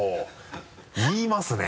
言いますね。